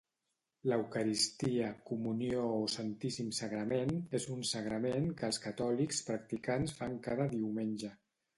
L'eucaristia, comunió o santíssim sagrament és un sagrament que els catòlics practicants fan cada diumenge.